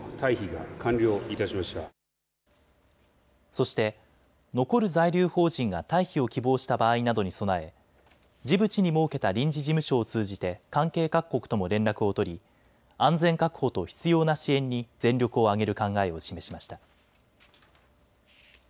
そして残る在留邦人が退避を希望した場合などに備え、ジブチに設けた臨時事務所を通じて関係各国とも連絡を取り安全確保と必要な支援に全力を挙げる考えを示しました。